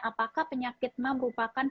apakah penyakit emah merupakan